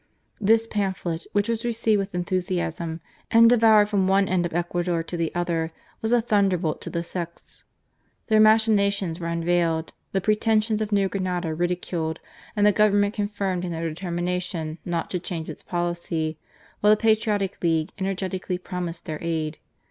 This pamphlet, which was received with enthu siasm and devoured from one end of Ecuador to the other, was a thunderbolt to the sects. Their machina tions were unveiled, the pretensions of New Grenada ridiculed, and the Government confirmed in their (Jetermination not to change its policy, while the patriotic league energetically promised their aid.